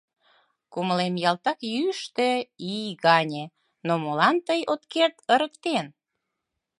Кумылем ялтак йӱштӧ ий гане — но молан тый от керт ырыктен.